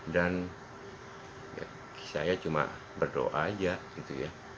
dan saya cuma berdoa aja gitu ya